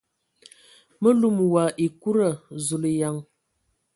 Mə lum wa ekuda ! Zulǝyan!